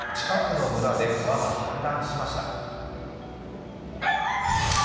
近くの村で川が氾濫しました。